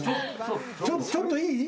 ちょっといい？